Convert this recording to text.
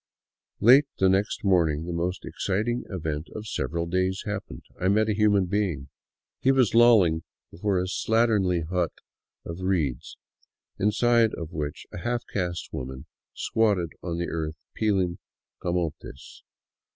Late the next morning the most exciting event of several days hap pened,— I met a human being. He was lolling before a slatternly hut of reeds, inside which a half caste woman squatted on the earth peeling camotes.